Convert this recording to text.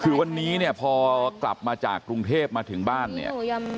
คือวันนี้เนี่ยพอกลับมาจากกรุงเทพมาถึงบ้านเนี่ย